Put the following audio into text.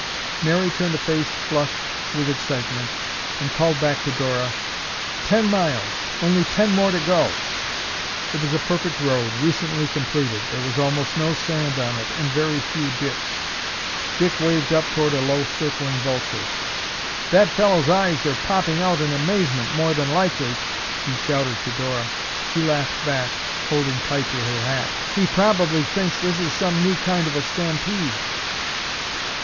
Mary turned a face flushed with excitement and called back to Dora, "Ten miles! Only ten more to go." It was a perfect road, recently completed. There was almost no sand on it and very few dips. Dick waved up toward a low circling vulture. "That fellow's eyes are popping out in amazement, more than likely," he shouted to Dora. She laughed back, holding tight to her hat. "He probably thinks this is some new kind of a stampede."